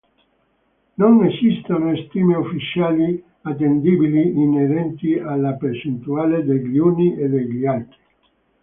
Non esistono stime ufficiali attendibili inerenti alla percentuale degli uni e degli altri.